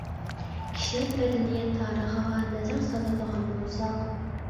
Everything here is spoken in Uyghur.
كىشىلىك مەدەنىيەت تارىخىغا نەزەر سالىدىغان بولساق.